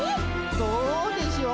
「どうでしょう」